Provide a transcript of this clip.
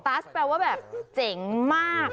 ตาชแปลว่าเจ็งมาก